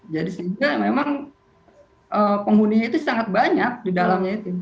jadi sehingga memang penghuninya itu sangat banyak di dalamnya itu